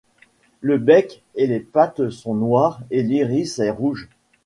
Le bec et les pattes sont noirs et l'iris est rouge.